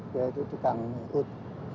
dia itu tukang miud